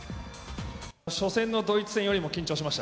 初戦のドイツ戦よりも緊張しました。